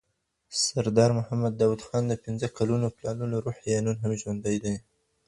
سردار محمد داود خان د پنځه کلنو پلانونو روح یې نن هم ژوندی دی.